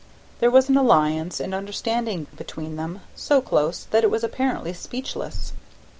There was an alliance and understanding between them, so close that it was apparently speechless.